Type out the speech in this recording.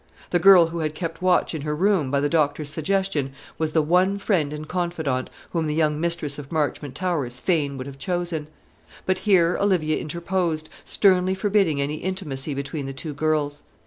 The girl who had kept watch in her room, by the doctor's suggestion, was the one friend and confidante whom the young mistress of Marchmont Towers fain would have chosen. But here Olivia interposed, sternly forbidding any intimacy between the two girls.